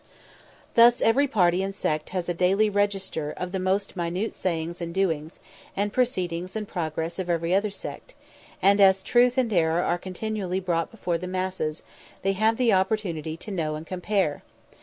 Thus every party and sect has a daily register of the most minute sayings and doings, and proceedings and progress of every other sect; and as truth and error are continually brought before the masses, they have the opportunity to know and compare.